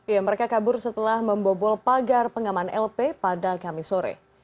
ya mereka kabur setelah membobol pagar pengaman lp pada kamis sore